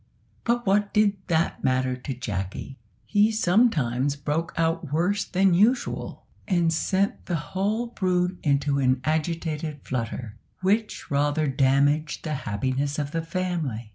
But what did that matter to Jacky? He sometimes broke out worse than usual, and set the whole brood into an agitated flutter, which rather damaged the happiness of the family.